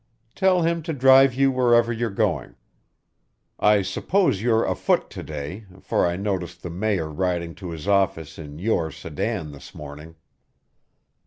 Tell him to drive you wherever you're going. I suppose you're afoot to day, for I noticed the Mayor riding to his office in your sedan this morning."